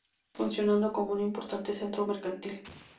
Funcionando como un importante centro mercantil.